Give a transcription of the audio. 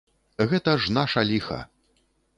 Гэта ж наша ліха.